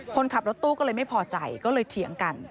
คนขับรถตู้ก็เลยไม่พอใจก็เลยเถียงกัน